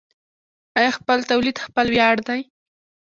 آیا خپل تولید خپل ویاړ دی؟